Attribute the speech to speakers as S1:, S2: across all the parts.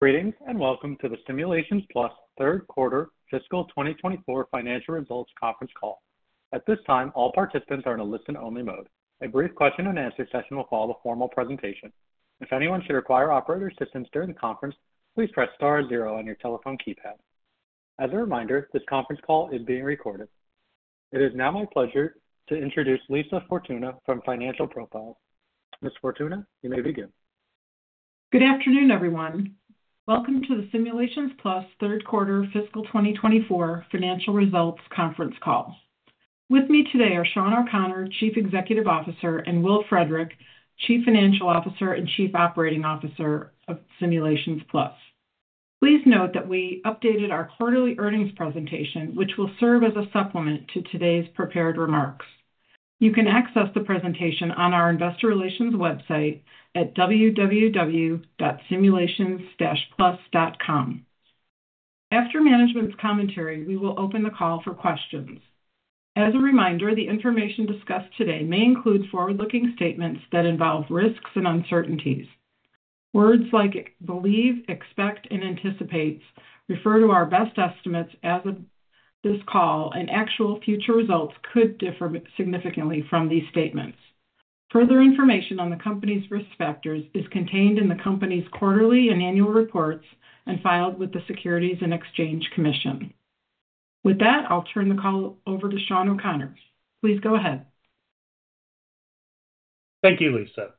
S1: ...Greetings, and welcome to the Simulations Plus third quarter fiscal 2024 financial results conference call. At this time, all participants are in a listen-only mode. A brief question-and-answer session will follow the formal presentation. If anyone should require operator assistance during the conference, please press star zero on your telephone keypad. As a reminder, this conference call is being recorded. It is now my pleasure to introduce Lisa Fortuna from Financial Profiles. Ms. Fortuna, you may begin.
S2: Good afternoon, everyone. Welcome to the Simulations Plus third quarter fiscal 2024 financial results conference call. With me today are Shawn O'Connor, Chief Executive Officer, and Will Frederick, Chief Financial Officer and Chief Operating Officer of Simulations Plus. Please note that we updated our quarterly earnings presentation, which will serve as a supplement to today's prepared remarks. You can access the presentation on our investor relations website at www.simulations-plus.com. After management's commentary, we will open the call for questions. As a reminder, the information discussed today may include forward-looking statements that involve risks and uncertainties. Words like believe, expect, and anticipates refer to our best estimates as of this call, and actual future results could differ significantly from these statements. Further information on the company's risk factors is contained in the company's quarterly and annual reports, and filed with the Securities and Exchange Commission. With that, I'll turn the call over to Shawn O'Connor. Please go ahead.
S3: Thank you, Lisa.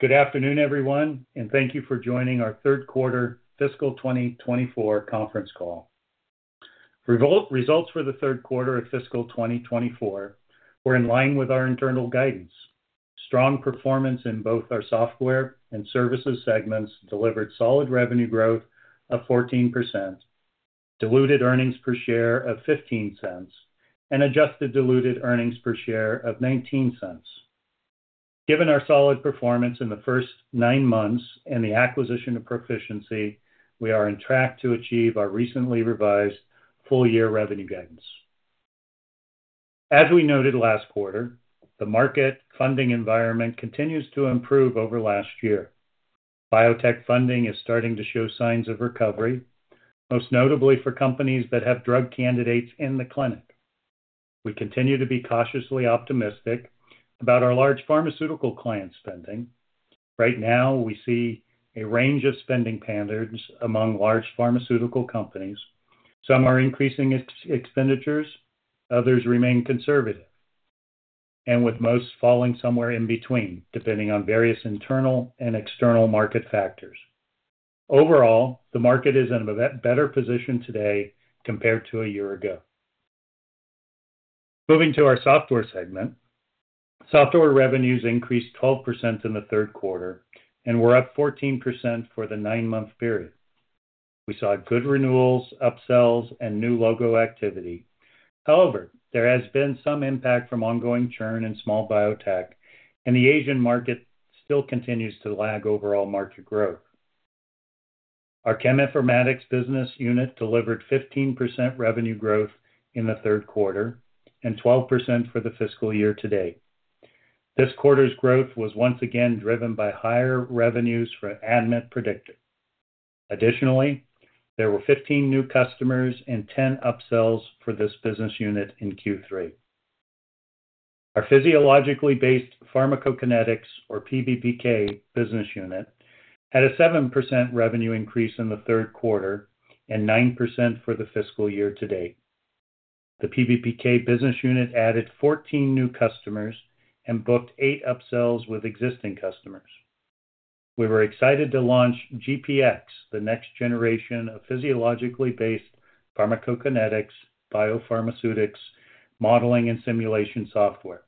S3: Good afternoon, everyone, and thank you for joining our third quarter fiscal 2024 conference call. Results for the third quarter of fiscal 2024 were in line with our internal guidance. Strong performance in both our software and services segments delivered solid revenue growth of 14%, diluted earnings per share of $0.15, and adjusted diluted earnings per share of $0.19. Given our solid performance in the first nine months and the acquisition of Proficiency, we are on track to achieve our recently revised full-year revenue guidance. As we noted last quarter, the market funding environment continues to improve over last year. Biotech funding is starting to show signs of recovery, most notably for companies that have drug candidates in the clinic. We continue to be cautiously optimistic about our large pharmaceutical client spending. Right now, we see a range of spending patterns among large pharmaceutical companies. Some are increasing expenditures, others remain conservative, and with most falling somewhere in between, depending on various internal and external market factors. Overall, the market is in a better position today compared to a year ago. Moving to our software segment. Software revenues increased 12% in the third quarter and were up 14% for the 9-month period. We saw good renewals, upsells, and new logo activity. However, there has been some impact from ongoing churn in small biotech, and the Asian market still continues to lag overall market growth. Our Cheminformatics business unit delivered 15% revenue growth in the third quarter and 12% for the fiscal year to date. This quarter's growth was once again driven by higher revenues for ADMET Predictor. Additionally, there were 15 new customers and 10 upsells for this business unit in Q3. Our physiologically based pharmacokinetics, or PBPK business unit, had a 7% revenue increase in the third quarter and 9% for the fiscal year to date. The PBPK business unit added 14 new customers and booked eight upsells with existing customers. We were excited to launch GPX, the next generation of physiologically based pharmacokinetics, biopharmaceutics, modeling and simulation software,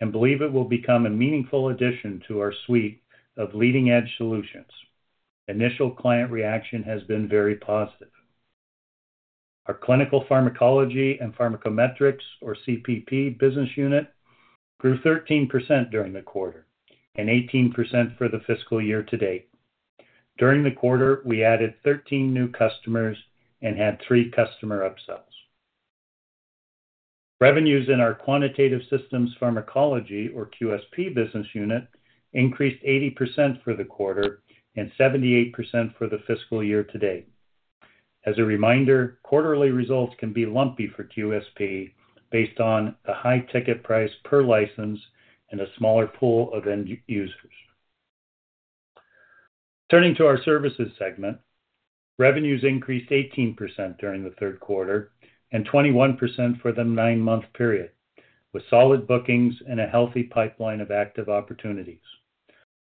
S3: and believe it will become a meaningful addition to our suite of leading-edge solutions. Initial client reaction has been very positive. Our clinical pharmacology and pharmacometrics, or CPP business unit, grew 13% during the quarter and 18% for the fiscal year to date. During the quarter, we added 13 new customers and had three customer upsells. Revenues in our quantitative systems pharmacology, or QSP business unit, increased 80% for the quarter and 78% for the fiscal year to date. As a reminder, quarterly results can be lumpy for QSP based on the high ticket price per license and a smaller pool of end users. Turning to our services segment, revenues increased 18% during the third quarter and 21% for the nine-month period, with solid bookings and a healthy pipeline of active opportunities.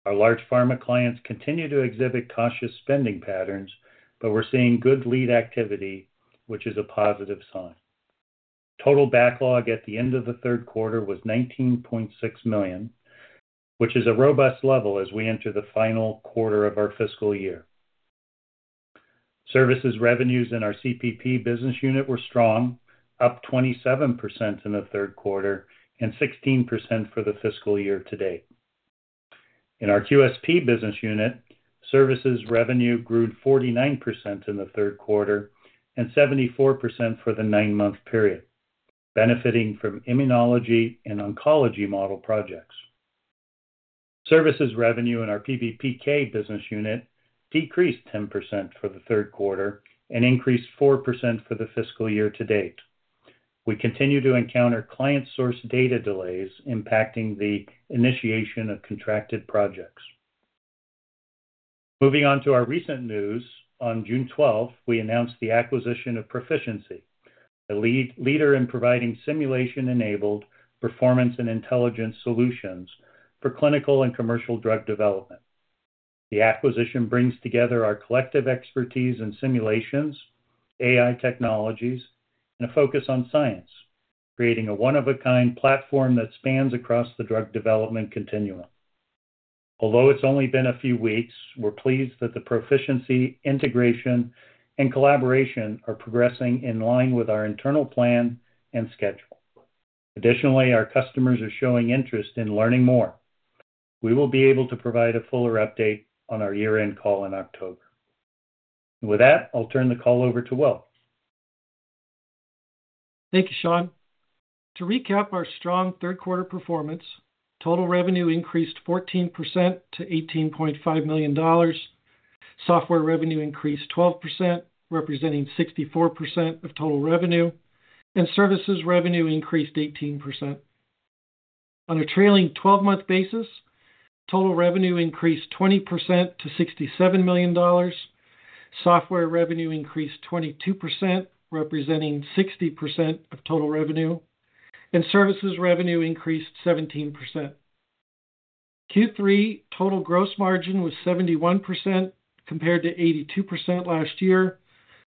S3: Our large pharma clients continue to exhibit cautious spending patterns, but we're seeing good lead activity, which is a positive sign. Total backlog at the end of the third quarter was $19.6 million, which is a robust level as we enter the final quarter of our fiscal year. Services revenues in our CPP business unit were strong, up 27% in the third quarter and 16% for the fiscal year to date. In our QSP business unit, services revenue grew 49% in the third quarter and 74% for the nine-month period, benefiting from immunology and oncology model projects.... Services revenue in our PBPK business unit decreased 10% for the third quarter and increased 4% for the fiscal year to date. We continue to encounter client source data delays impacting the initiation of contracted projects. Moving on to our recent news. On June 12, we announced the acquisition of Proficiency, a leader in providing simulation-enabled performance and intelligence solutions for clinical and commercial drug development. The acquisition brings together our collective expertise in simulations, AI technologies, and a focus on science, creating a one-of-a-kind platform that spans across the drug development continuum. Although it's only been a few weeks, we're pleased that the Proficiency, integration, and collaboration are progressing in line with our internal plan and schedule. Additionally, our customers are showing interest in learning more. We will be able to provide a fuller update on our year-end call in October. With that, I'll turn the call over to Will.
S4: Thank you, Shawn. To recap our strong third quarter performance, total revenue increased 14% to $18.5 million. Software revenue increased 12%, representing 64% of total revenue, and services revenue increased 18%. On a trailing twelve-month basis, total revenue increased 20% to $67 million. Software revenue increased 22%, representing 60% of total revenue, and services revenue increased 17%. Q3 total gross margin was 71%, compared to 82% last year,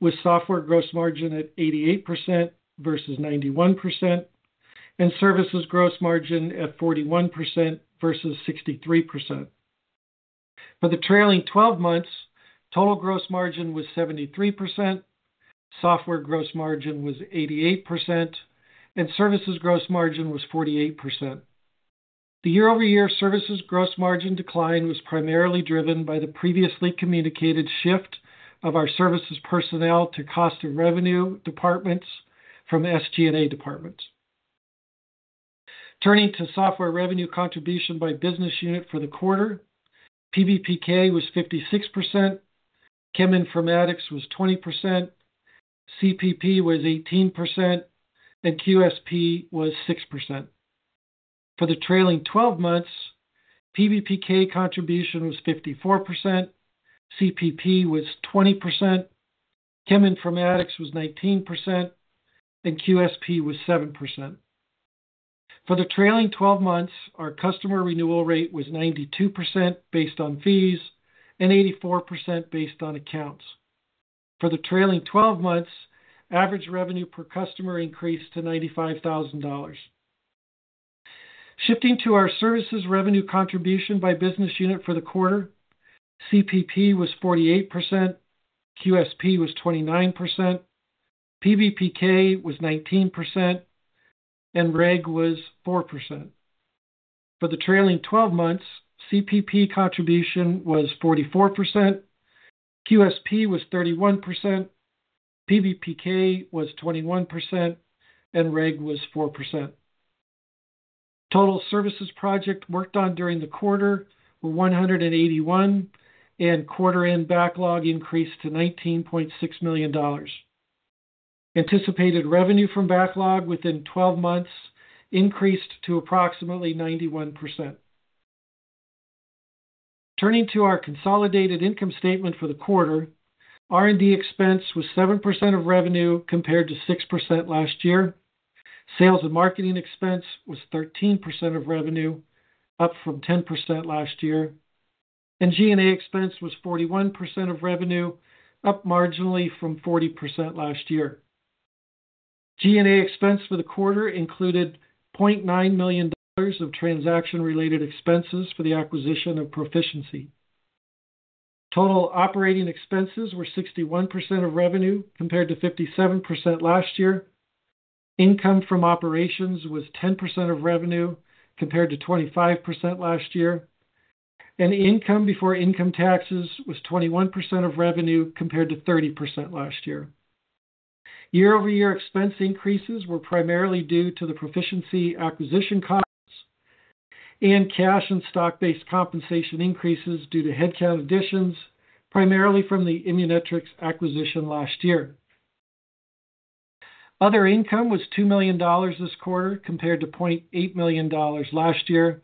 S4: with software gross margin at 88% versus 91%, and services gross margin at 41% versus 63%. For the trailing twelve months, total gross margin was 73%, software gross margin was 88%, and services gross margin was 48%. The year-over-year services gross margin decline was primarily driven by the previously communicated shift of our services personnel to cost of revenue departments from SG&A departments. Turning to software revenue contribution by business unit for the quarter, PBPK was 56%, Cheminformatics was 20%, CPP was 18%, and QSP was 6%. For the trailing twelve months, PBPK contribution was 54%, CPP was 20%, Cheminformatics was 19%, and QSP was 7%. For the trailing twelve months, our customer renewal rate was 92% based on fees and 84% based on accounts. For the trailing twelve months, average revenue per customer increased to $95,000. Shifting to our services revenue contribution by business unit for the quarter, CPP was 48%, QSP was 29%, PBPK was 19%, and Reg was 4%. For the trailing twelve months, CPP contribution was 44%, QSP was 31%, PBPK was 21%, and Reg was 4%. Total services projects worked on during the quarter were 181, and quarter-end backlog increased to $19.6 million. Anticipated revenue from backlog within twelve months increased to approximately 91%. Turning to our consolidated income statement for the quarter, R&D expense was 7% of revenue, compared to 6% last year. Sales and marketing expense was 13% of revenue, up from 10% last year, and G&A expense was 41% of revenue, up marginally from 40% last year. G&A expense for the quarter included $0.9 million of transaction-related expenses for the acquisition of Proficiency. Total operating expenses were 61% of revenue, compared to 57% last year. Income from operations was 10% of revenue, compared to 25% last year, and income before income taxes was 21% of revenue, compared to 30% last year. Year-over-year expense increases were primarily due to the Proficiency acquisition costs and cash and stock-based compensation increases due to headcount additions, primarily from the Immunetrics acquisition last year. Other income was $2 million this quarter, compared to $0.8 million last year,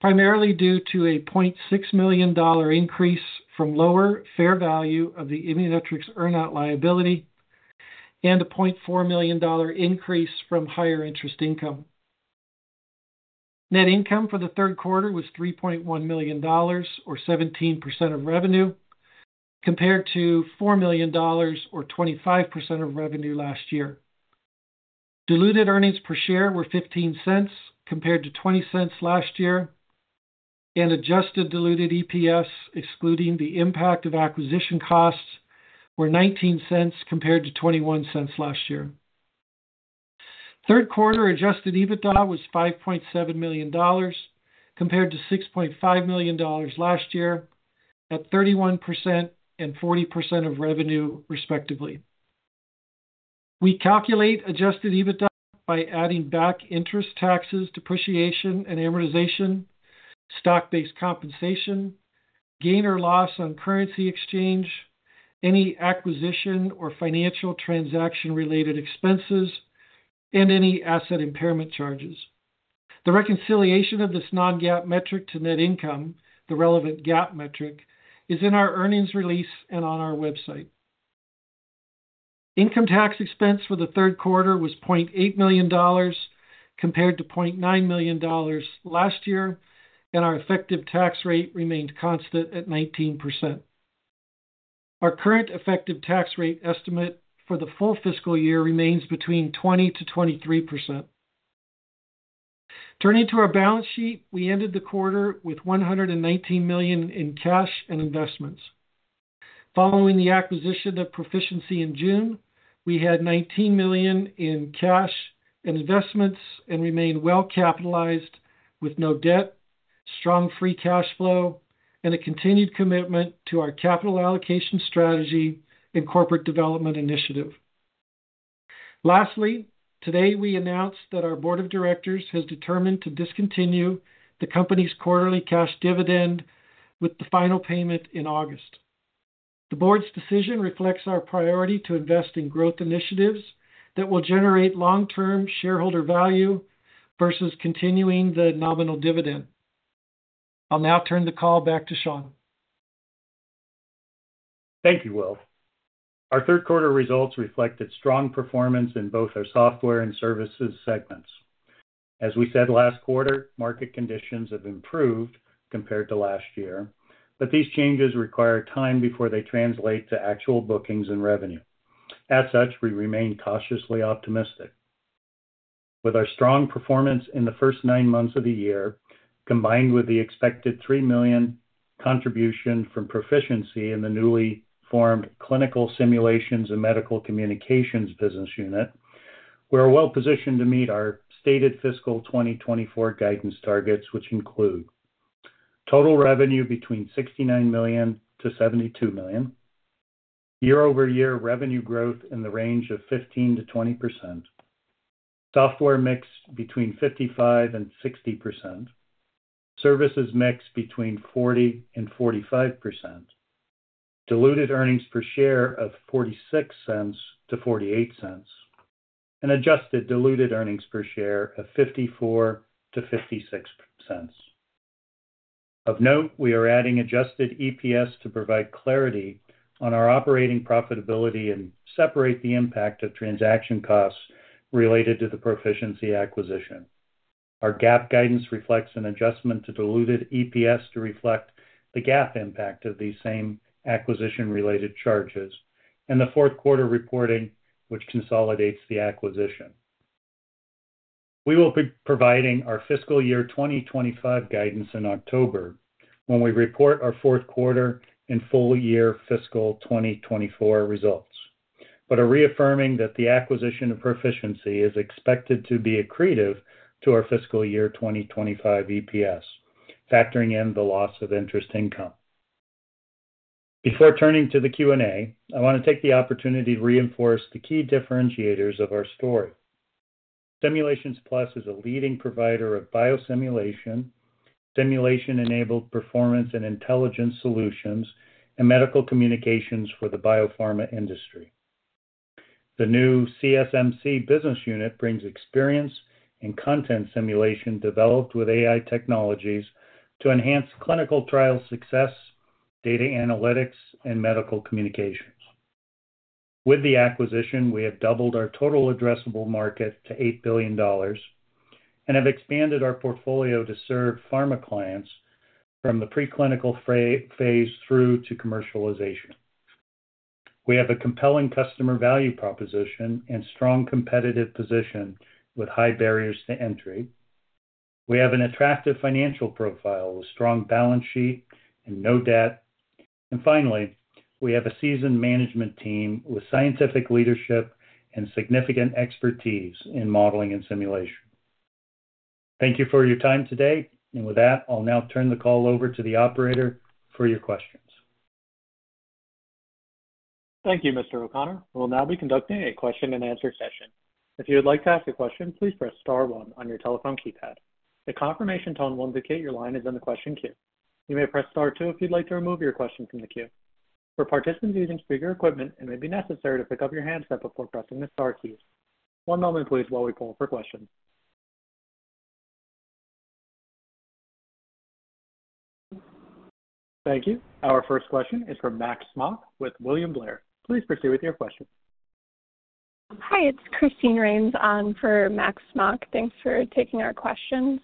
S4: primarily due to a $0.6 million increase from lower fair value of the Immunetrics earn out liability and a $0.4 million increase from higher interest income. Net income for the third quarter was $3.1 million, or 17% of revenue, compared to $4 million or 25% of revenue last year. Diluted earnings per share were $0.15, compared to $0.20 last year, and adjusted diluted EPS, excluding the impact of acquisition costs, were $0.19 compared to $0.21 last year. Third quarter adjusted EBITDA was $5.7 million, compared to $6.5 million last year, at 31% and 40% of revenue, respectively. We calculate adjusted EBITDA by adding back interest, taxes, depreciation, and amortization, stock-based compensation, gain or loss on currency exchange, any acquisition or financial transaction-related expenses, and any asset impairment charges. The reconciliation of this non-GAAP metric to net income, the relevant GAAP metric, is in our earnings release and on our website. Income tax expense for the third quarter was $0.8 million, compared to $0.9 million last year, and our effective tax rate remained constant at 19%. Our current effective tax rate estimate for the full fiscal year remains between 20%-23%. Turning to our balance sheet, we ended the quarter with $119 million in cash and investments. Following the acquisition of Proficiency in June, we had $19 million in cash and investments and remain well capitalized with no debt, strong free cash flow, and a continued commitment to our capital allocation strategy and corporate development initiative. Lastly, today, we announced that our board of directors has determined to discontinue the company's quarterly cash dividend with the final payment in August. The board's decision reflects our priority to invest in growth initiatives that will generate long-term shareholder value versus continuing the nominal dividend. I'll now turn the call back to Shawn.
S3: Thank you, Will. Our third quarter results reflected strong performance in both our software and services segments. As we said last quarter, market conditions have improved compared to last year, but these changes require time before they translate to actual bookings and revenue. As such, we remain cautiously optimistic. With our strong performance in the first nine months of the year, combined with the expected $3 million contribution from Proficiency in the newly formed Clinical Simulations and Medical Communications business unit, we are well positioned to meet our stated fiscal 2024 guidance targets, which include total revenue between $69 million-$72 million, year-over-year revenue growth in the range of 15%-20%, software mix between 55%-60%, services mix between 40%-45%, diluted earnings per share of $0.46-$0.48, and adjusted diluted earnings per share of $0.54-$0.56. Of note, we are adding adjusted EPS to provide clarity on our operating profitability and separate the impact of transaction costs related to the Proficiency acquisition. Our GAAP guidance reflects an adjustment to diluted EPS to reflect the GAAP impact of these same acquisition-related charges and the fourth quarter reporting, which consolidates the acquisition. We will be providing our fiscal year 2025 guidance in October when we report our fourth quarter and full year fiscal 2024 results, but are reaffirming that the acquisition of Proficiency is expected to be accretive to our fiscal year 2025 EPS, factoring in the loss of interest income. Before turning to the Q&A, I want to take the opportunity to reinforce the key differentiators of our story. Simulations Plus is a leading provider of biosimulation, simulation-enabled performance and intelligence solutions, and medical communications for the biopharma industry. The new CSMC business unit brings experience in content simulation developed with AI technologies to enhance clinical trial success, data analytics, and medical communications. With the acquisition, we have doubled our total addressable market to $8 billion and have expanded our portfolio to serve pharma clients from the preclinical phase through to commercialization. We have a compelling customer value proposition and strong competitive position with high barriers to entry. We have an attractive financial profile, a strong balance sheet and no debt. And finally, we have a seasoned management team with scientific leadership and significant expertise in modeling and simulation. Thank you for your time today. And with that, I'll now turn the call over to the operator for your questions.
S1: Thank you, Mr. O'Connor. We'll now be conducting a question-and-answer session. If you would like to ask a question, please press star one on your telephone keypad. A confirmation tone will indicate your line is in the question queue. You may press star two if you'd like to remove your question from the queue. For participants using speaker equipment, it may be necessary to pick up your handset before pressing the star keys. One moment please while we poll for questions. Thank you. Our first question is from Max Smock with William Blair. Please proceed with your question.
S5: Hi, it's Christine Rains on for Max Smock. Thanks for taking our questions.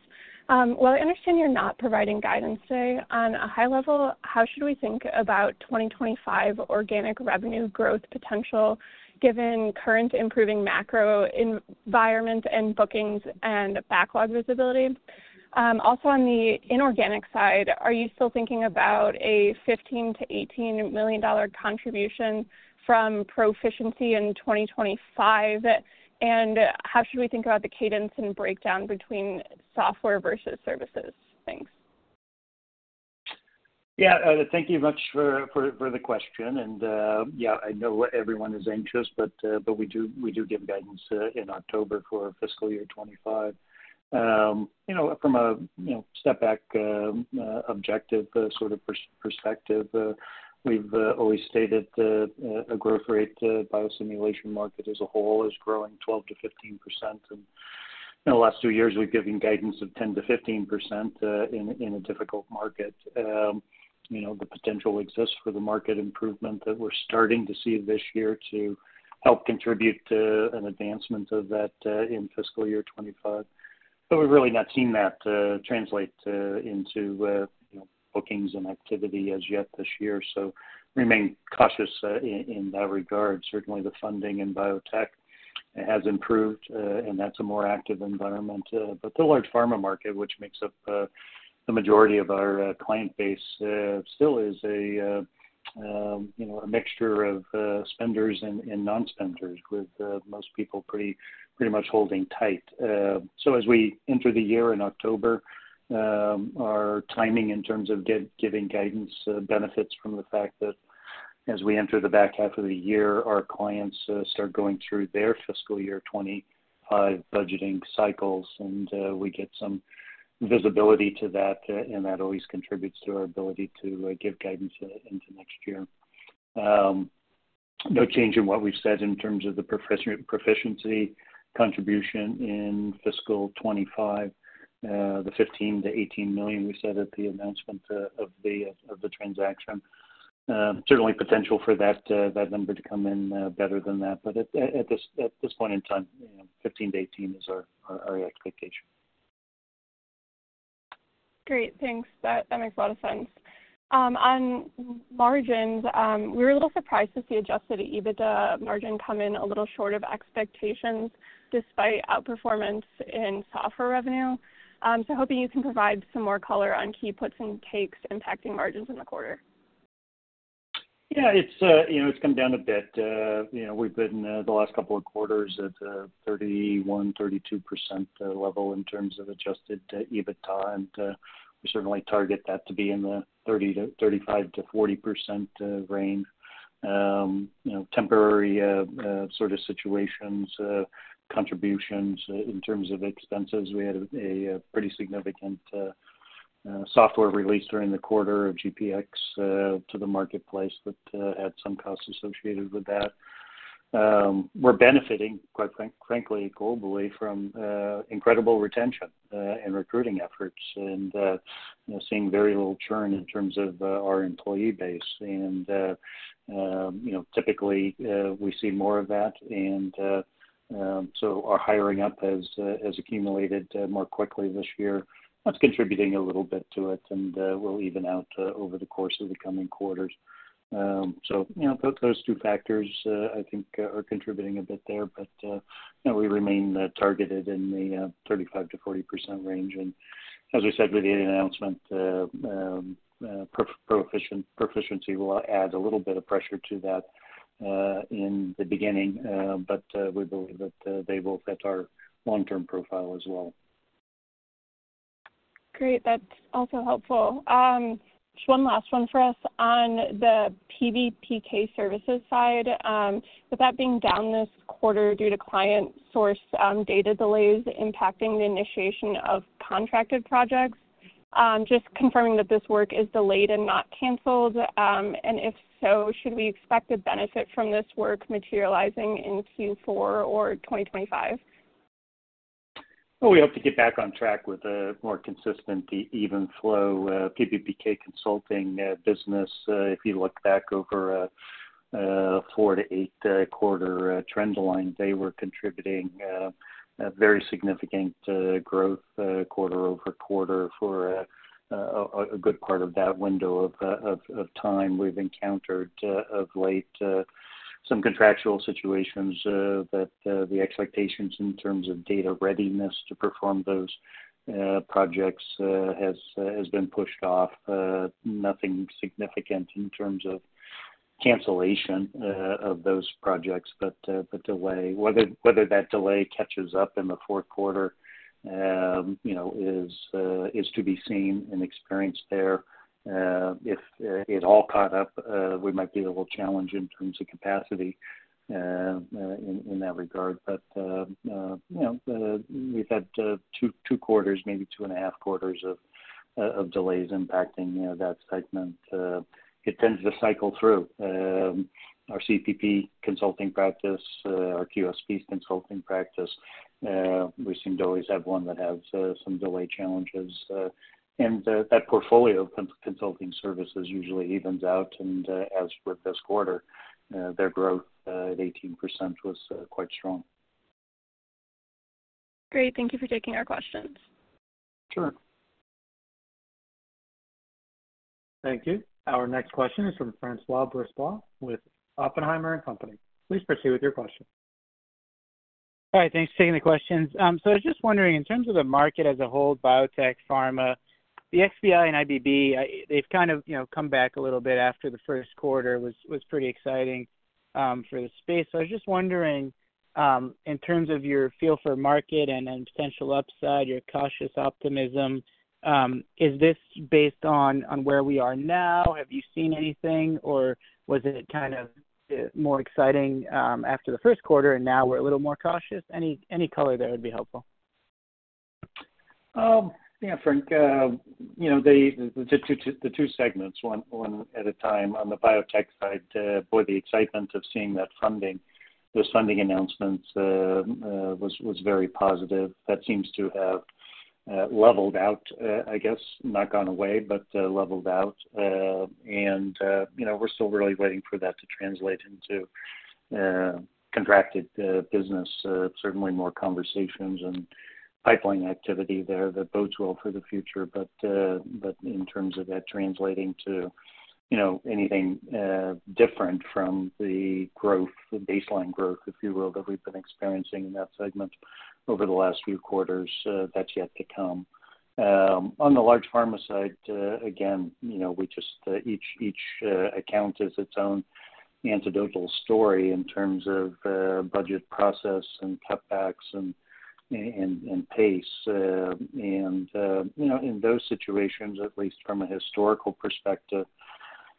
S5: While I understand you're not providing guidance today, on a high level, how should we think about 2025 organic revenue growth potential given current improving macro environment and bookings and backlog visibility? Also on the inorganic side, are you still thinking about a $15 million-$18 million contribution from Proficiency in 2025? And how should we think about the cadence and breakdown between software versus services? Thanks....
S3: Yeah, thank you much for the question. And, yeah, I know everyone is anxious, but we do give guidance in October for fiscal year 2025. You know, from a, you know, step back, objective, sort of perspective, we've always stated that a growth rate, biosimulation market as a whole is growing 12%-15%. And in the last two years, we've given guidance of 10%-15% in a difficult market. You know, the potential exists for the market improvement that we're starting to see this year to help contribute to an advancement of that in fiscal year 2025. But we've really not seen that translate into you know bookings and activity as yet this year, so remain cautious in that regard. Certainly, the funding in biotech has improved, and that's a more active environment. But the large pharma market, which makes up the majority of our client base, still is a you know a mixture of spenders and non-spenders, with most people pretty much holding tight. So as we enter the year in October, our timing in terms of giving guidance benefits from the fact that as we enter the back half of the year, our clients start going through their fiscal year 2025 budgeting cycles, and we get some visibility to that, and that always contributes to our ability to give guidance into next year. No change in what we've said in terms of the Proficiency contribution in fiscal 2025. The $15 million-$18 million we said at the announcement of the transaction. Certainly potential for that number to come in better than that. But at this point in time, you know, $15 million-$18 million is our expectation.
S5: Great, thanks. That, that makes a lot of sense. On margins, we were a little surprised to see Adjusted EBITDA margin come in a little short of expectations, despite outperformance in software revenue. So hoping you can provide some more color on key puts and takes impacting margins in the quarter.
S3: Yeah, it's, you know, it's come down a bit. You know, we've been the last couple of quarters at 31-32% level in terms of adjusted EBITDA. And we certainly target that to be in the 30%-35%-40% range. You know, temporary sort of situations contributions in terms of expenses, we had a pretty significant software release during the quarter of GPX to the marketplace that had some costs associated with that. We're benefiting, quite frankly, globally from incredible retention and recruiting efforts, and you know, seeing very little churn in terms of our employee base. And, you know, typically, we see more of that, and, so our hiring up has accumulated more quickly this year. That's contributing a little bit to it, and, we'll even out over the course of the coming quarters. So, you know, those two factors, I think, are contributing a bit there. But, you know, we remain targeted in the 35%-40% range. And as I said with the announcement, Proficiency will add a little bit of pressure to that in the beginning. But, we believe that they will fit our long-term profile as well.
S5: Great. That's also helpful. Just one last one for us. On the PBPK services side, with that being down this quarter due to client-sourced data delays impacting the initiation of contracted projects, just confirming that this work is delayed and not canceled. And if so, should we expect the benefit from this work materializing in Q4 or 2025?
S3: Well, we hope to get back on track with a more consistent, even flow, PBPK consulting business. If you look back over a 4-8 quarter trend line, they were contributing a very significant growth quarter-over-quarter for a good part of that window of time. We've encountered of late some contractual situations that the expectations in terms of data readiness to perform those projects has been pushed off. Nothing significant in terms of cancellation of those projects, but delay. Whether that delay catches up in the fourth quarter, you know, is to be seen and experienced there. If it all caught up, we might be a little challenged in terms of capacity, in that regard. But you know, we've had two quarters, maybe two and a half quarters of delays impacting that segment. It tends to cycle through our CPP consulting practice, our QSP consulting practice. We seem to always have one that has some delay challenges. And that portfolio consulting services usually evens out, and as with this quarter, their growth at 18% was quite strong.
S5: Great. Thank you for taking our questions.
S3: Sure.
S1: Thank you. Our next question is from Francois Brisebois with Oppenheimer and Company. Please proceed with your question.
S6: Hi, thanks for taking the questions. So I was just wondering, in terms of the market as a whole, biotech, pharma, the XBI and IBB, they've kind of, you know, come back a little bit after the first quarter, was pretty exciting for the space. So I was just wondering, in terms of your feel for market and then potential upside, your cautious optimism, is this based on where we are now? Have you seen anything, or was it kind of more exciting after the first quarter, and now we're a little more cautious? Any color there would be helpful.
S3: Yeah, Frank, you know, the two segments, one at a time. On the biotech side, boy, the excitement of seeing that funding, those funding announcements, was very positive. That seems to have leveled out, I guess, not gone away, but leveled out. And you know, we're still really waiting for that to translate into contracted business. Certainly more conversations and pipeline activity there that bodes well for the future. But in terms of that translating to, you know, anything different from the growth, the baseline growth, if you will, that we've been experiencing in that segment over the last few quarters, that's yet to come. On the large pharma side, again, you know, we just each account is its own anecdotal story in terms of budget process and cutbacks and pace. You know, in those situations, at least from a historical perspective,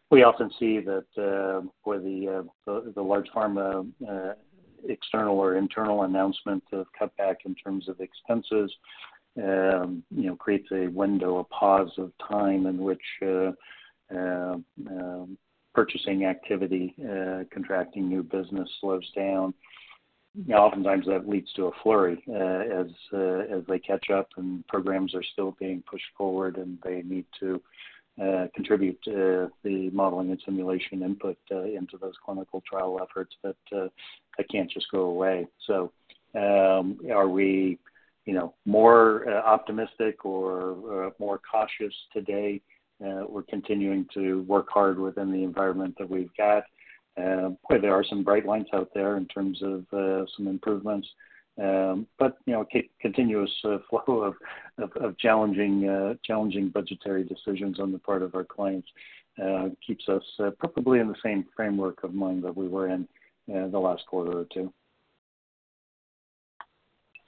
S3: we often see that where the large pharma external or internal announcement of cutback in terms of expenses creates a window, a pause of time in which purchasing activity contracting new business slows down. Oftentimes, that leads to a flurry as they catch up, and programs are still being pushed forward, and they need to contribute to the modeling and simulation input into those clinical trial efforts, but they can't just go away. So, are we, you know, more optimistic or more cautious today? We're continuing to work hard within the environment that we've got. Boy, there are some bright lines out there in terms of some improvements, but, you know, a continuous flow of challenging budgetary decisions on the part of our clients keeps us probably in the same framework of mind that we were in the last quarter or two.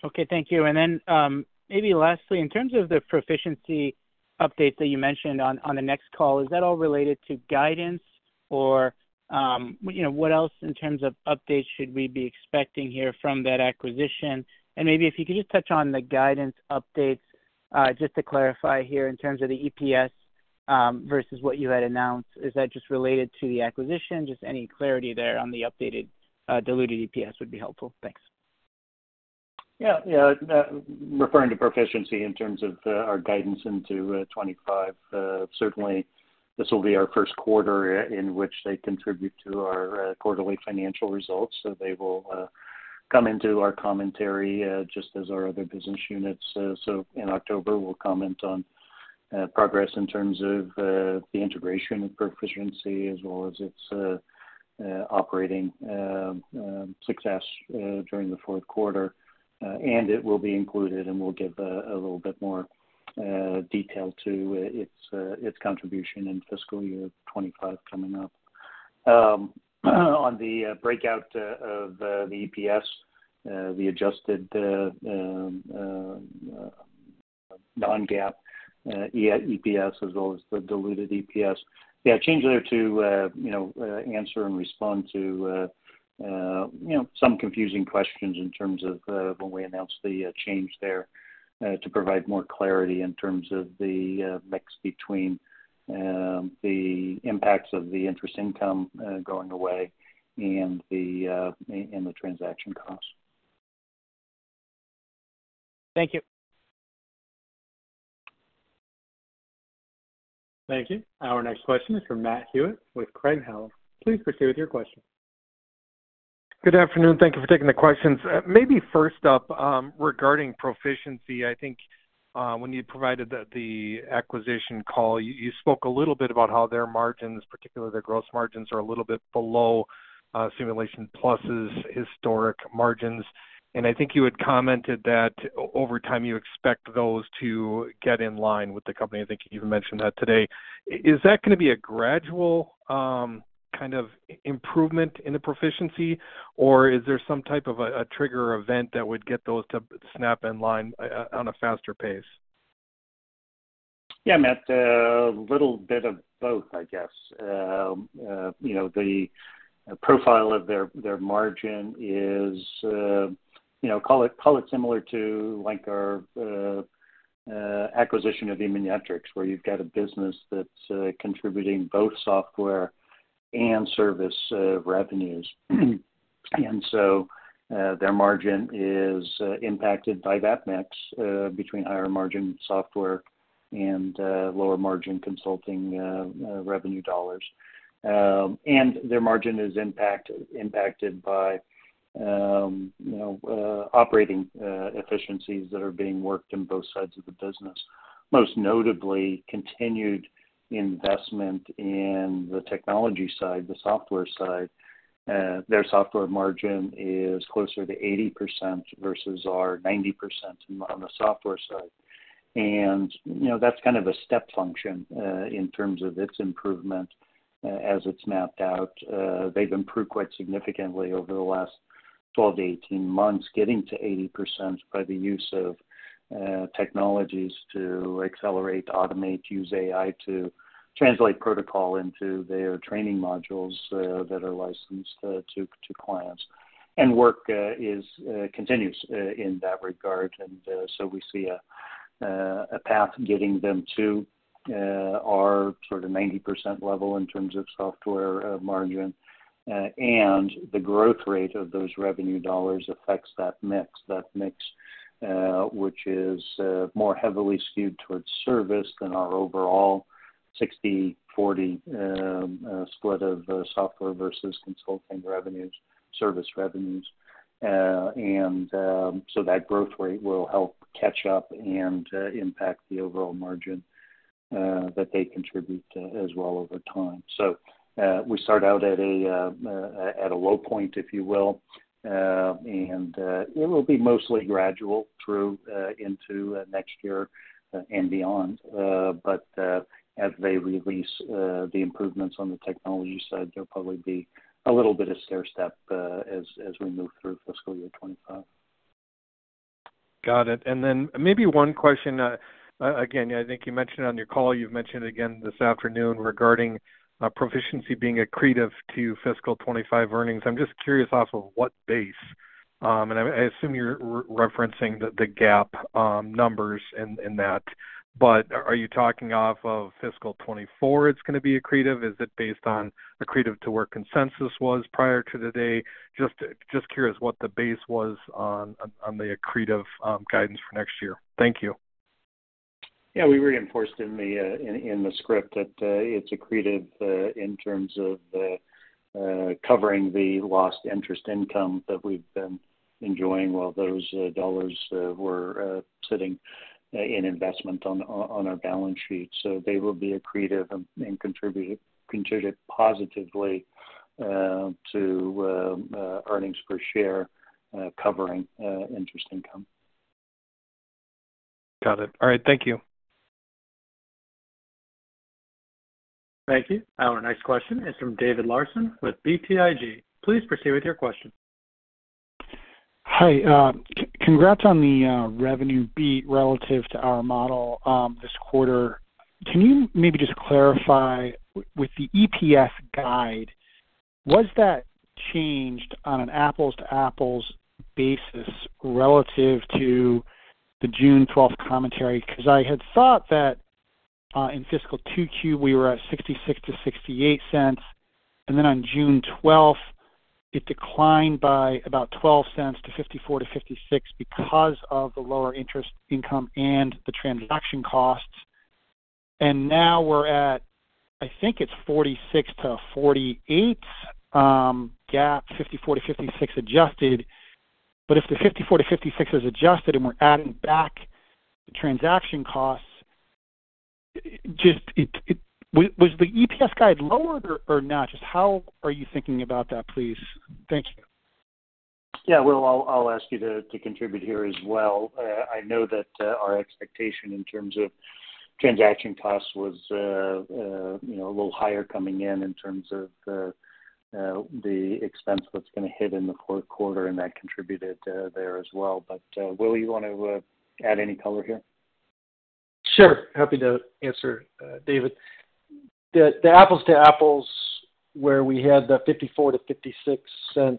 S6: Okay, thank you. Then, maybe lastly, in terms of the Proficiency update that you mentioned on the next call, is that all related to guidance or, you know, what else in terms of updates should we be expecting here from that acquisition? And maybe if you could just touch on the guidance updates, just to clarify here, in terms of the EPS, versus what you had announced, is that just related to the acquisition? Just any clarity there on the updated diluted EPS would be helpful. Thanks.
S3: Yeah, yeah. Referring to Proficiency in terms of our guidance into 2025, certainly this will be our first quarter in which they contribute to our quarterly financial results. So they will come into our commentary just as our other business units. So in October, we'll comment on progress in terms of the integration of Proficiency as well as its operating success during the fourth quarter. And it will be included, and we'll give a little bit more detail to its contribution in fiscal year 2025 coming up. On the breakout of the EPS, the adjusted non-GAAP EPS, as well as the diluted EPS. Yeah, a change there to, you know, you know, some confusing questions in terms of, when we announced the, change there, to provide more clarity in terms of the, mix between, the impacts of the interest income, going away and the, and the transaction costs.
S6: Thank you.
S1: Thank you. Our next question is from Matt Hewitt with Craig-Hallum. Please proceed with your question.
S7: Good afternoon. Thank you for taking the questions. Maybe first up, regarding Proficiency, I think, when you provided the acquisition call, you spoke a little bit about how their margins, particularly their gross margins, are a little bit below, Simulations Plus's historic margins. And I think you had commented that over time, you expect those to get in line with the company. I think you even mentioned that today. Is that gonna be a gradual, kind of improvement in the Proficiency, or is there some type of a trigger event that would get those to snap in line, on a faster pace?
S3: Yeah, Matt, little bit of both, I guess. You know, the profile of their, their margin is, you know, call it, call it similar to like our acquisition of Immunetrics, where you've got a business that's contributing both software and service revenues. And so, their margin is impacted by that mix between higher margin software and lower margin consulting revenue dollars. And their margin is impacted by, you know, operating efficiencies that are being worked in both sides of the business. Most notably, continued investment in the technology side, the software side. Their software margin is closer to 80% versus our 90% on the software side.... and, you know, that's kind of a step function in terms of its improvement as it's mapped out. They've improved quite significantly over the last 12-18 months, getting to 80% by the use of technologies to accelerate, automate, use AI to translate protocol into their training modules that are licensed to clients. And work is continuous in that regard. And so we see a path getting them to our sort of 90% level in terms of software margin. And the growth rate of those revenue dollars affects that mix, which is more heavily skewed towards service than our overall 60/40 split of software versus consulting revenues, service revenues. And so that growth rate will help catch up and impact the overall margin that they contribute as well over time. So, we start out at a low point, if you will, and it will be mostly gradual through into next year, and beyond. But as they release the improvements on the technology side, there'll probably be a little bit of stair step as we move through fiscal year 25.
S7: Got it. Then maybe one question. Again, I think you mentioned on your call, you've mentioned again this afternoon regarding Proficiency being accretive to fiscal 25 earnings. I'm just curious off of what base? And I, I assume you're referencing the GAAP numbers in that. But are you talking off of fiscal 24, it's gonna be accretive? Is it based on accretive to where consensus was prior to today? Just curious what the base was on the accretive guidance for next year. Thank you.
S3: Yeah, we reinforced in the script that it's accretive in terms of covering the lost interest income that we've been enjoying while those dollars were sitting in investment on our balance sheet. So they will be accretive and contribute positively to earnings per share, covering interest income.
S7: Got it. All right. Thank you.
S1: Thank you. Our next question is from David Larsen with BTIG. Please proceed with your question.
S8: Hi, congrats on the revenue beat relative to our model this quarter. Can you maybe just clarify, with the EPS guide, was that changed on an apples-to-apples basis relative to the June 12 commentary? Because I had thought that in fiscal 2Q, we were at $0.66-$0.68, and then on June 12, it declined by about $0.12 to $0.54-$0.56 because of the lower interest income and the transaction costs. And now we're at, I think it's $0.46-$0.48 GAAP, $0.54-$0.56 adjusted. But if the $0.54-$0.56 is adjusted and we're adding back the transaction costs, just it. Was the EPS guide lowered or not? Just how are you thinking about that, please? Thank you.
S3: Yeah, well, I'll, I'll ask you to, to contribute here as well. I know that, our expectation in terms of transaction costs was, you know, a little higher coming in, in terms of, the expense that's gonna hit in the fourth quarter, and that contributed, there as well. But, Willie, you want to, add any color here?
S4: Sure. Happy to answer, David. The apples to apples, where we had the $0.54-$0.56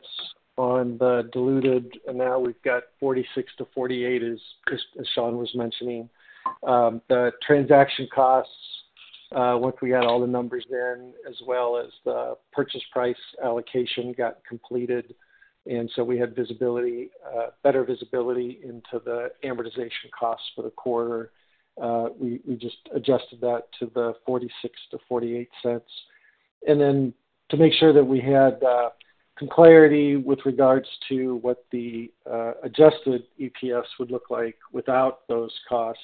S4: on the diluted, and now we've got $0.46-$0.48, as Chris, as Shawn was mentioning. The transaction costs, once we had all the numbers in, as well as the purchase price allocation got completed, and so we had visibility, better visibility into the amortization costs for the quarter. We just adjusted that to the $0.46-$0.48. And then to make sure that we had clarity with regards to what the adjusted EPS would look like without those costs,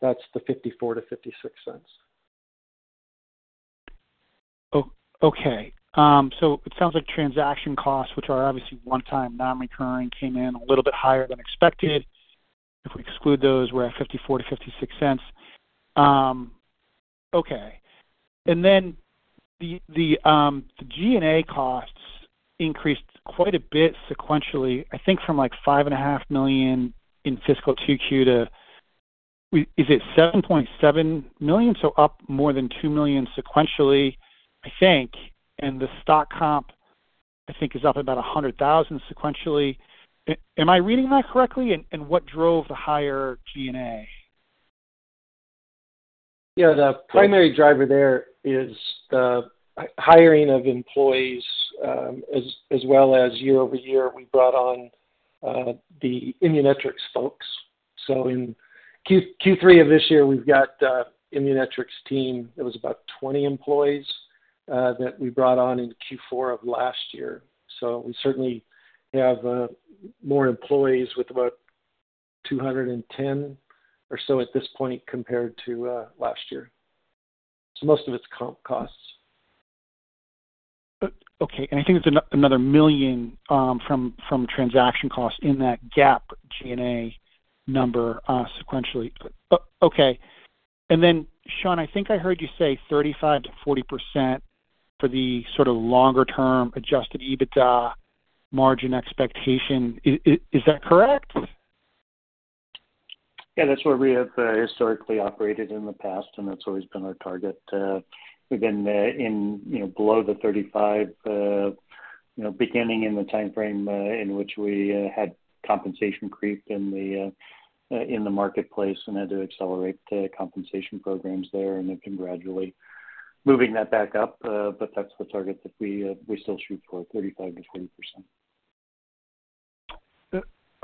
S4: that's the $0.54-$0.56.
S8: Okay. So it sounds like transaction costs, which are obviously one-time non-recurring, came in a little bit higher than expected. If we exclude those, we're at $0.54-$0.56. Okay. And then the G&A costs increased quite a bit sequentially, I think, from, like, $5.5 million in fiscal 2Q to, is it $7.7 million? So up more than $2 million sequentially, I think, and the stock comp, I think, is up about $100,000 sequentially. Am I reading that correctly? And what drove the higher G&A?
S4: Yeah, the primary driver there is the hiring of employees, as, as well as year-over-year, we brought on the Immunetrics folks. So in Q3 of this year, we've got the Immunetrics team. It was about 20 employees that we brought on in Q4 of last year. So we certainly have more employees with about 210 or so at this point compared to last year. So most of it's comp costs....
S8: okay, and I think it's another million from transaction costs in that SG&A number, sequentially. Okay. And then, Shawn, I think I heard you say 35%-40% for the sort of longer term adjusted EBITDA margin expectation. Is that correct?
S3: Yeah, that's where we have historically operated in the past, and that's always been our target. We've been in, you know, below the 35, you know, beginning in the timeframe in which we had compensation creep in the marketplace and had to accelerate the compensation programs there, and have been gradually moving that back up. But that's the target that we still shoot for, 35%-40%.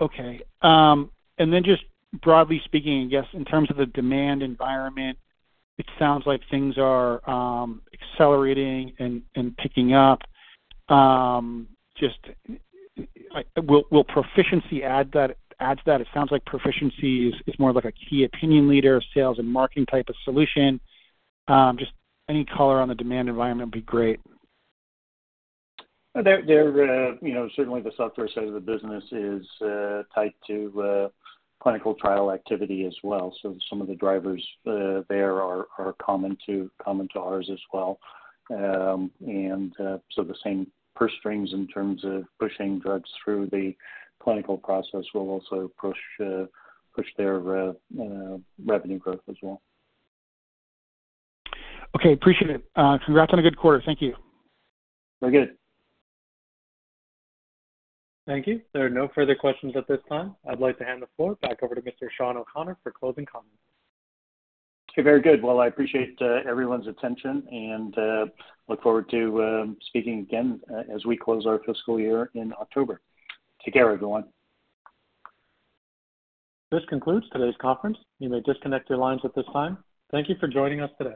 S8: Okay. And then just broadly speaking, I guess, in terms of the demand environment, it sounds like things are accelerating and picking up. Just, will Proficiency add that, add to that? It sounds like Proficiency is more of like a key opinion leader, sales and marketing type of solution. Just any color on the demand environment would be great.
S3: You know, certainly the software side of the business is tied to clinical trial activity as well. So some of the drivers there are common to ours as well. And so the same purse strings in terms of pushing drugs through the clinical process will also push their revenue growth as well.
S8: Okay, appreciate it. Congrats on a good quarter. Thank you.
S3: Very good.
S1: Thank you. There are no further questions at this time. I'd like to hand the floor back over to Mr. Shawn O'Connor for closing comments.
S3: Okay, very good. Well, I appreciate everyone's attention and look forward to speaking again, as we close our fiscal year in October. Take care, everyone.
S1: This concludes today's conference. You may disconnect your lines at this time. Thank you for joining us today.